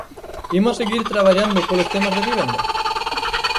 ¿Imos seguir traballando polos temas da vivenda?